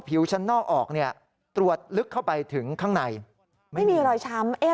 ชั้นนอกออกเนี่ยตรวจลึกเข้าไปถึงข้างในไม่มีรอยช้ำเอ๊ะ